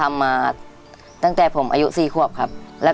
คนที่ยังควรรอบกัน